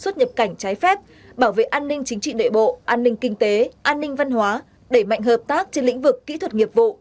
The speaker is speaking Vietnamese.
chính trị nội bộ an ninh kinh tế an ninh văn hóa đẩy mạnh hợp tác trên lĩnh vực kỹ thuật nghiệp vụ